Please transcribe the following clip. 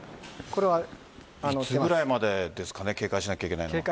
いつぐらいまでですかね警戒しないといけないのは。